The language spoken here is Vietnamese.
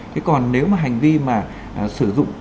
thế còn nếu mà hành vi mà sử dụng